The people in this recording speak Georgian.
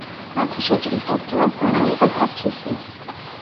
მათი შეჭრის ადგილას გამოიყოფა ფისი.